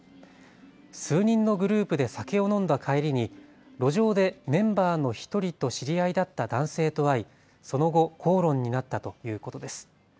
数人のグループで酒を飲んだ帰りに路上でメンバーの１人と知り合いだった男性と会いその後口論になったということです。